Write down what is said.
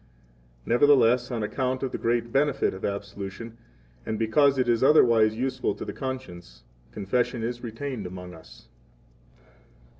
13 Nevertheless, on account of the great benefit of absolution, and because it is otherwise useful to the conscience, Confession is retained among us.